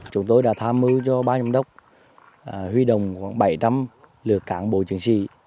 chúng tôi đã tham mưu cho ban giám đốc huy động khoảng bảy trăm linh lượt cán bộ chiến sĩ